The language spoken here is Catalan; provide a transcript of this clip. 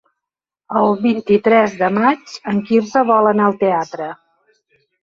El vint-i-tres de maig en Quirze vol anar al teatre.